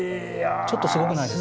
ちょっとすごくないですか？